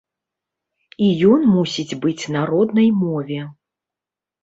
І ён мусіць быць на роднай мове.